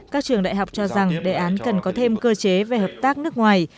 các trường đại học cho rằng đề án cần có thêm cơ chế về hợp tác nước ngoài